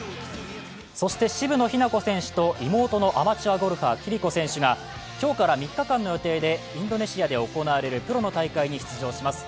そして渋野日向子選手と妹のアマチュアゴルファー暉璃子選手が今日から３日間の予定でインドネシアで行われるプロの大会に出場します。